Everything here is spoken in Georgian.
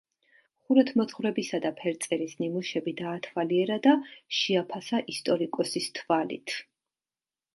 ხუროთმოძღვრებისა და ფერწერის ნიმუშები დაათვალიერა და შეაფასა ისტორიკოსის თვალით.